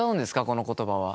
この言葉は。